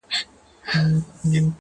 د پامیر لوري یه د ښکلي اریانا لوري